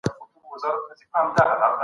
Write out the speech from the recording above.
مشاهده تر ساده خيال ډېره دقيقه ده.